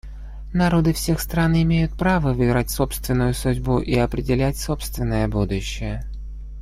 Народы всех стран имеют право выбирать собственную судьбу и определять собственное будущее.